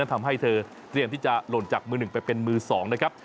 ทำให้เธอเตรียมที่จะหล่นจากมือหนึ่งไปเป็นมือ๒นะครับ